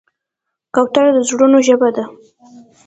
کوتره د زړونو ژبه ده.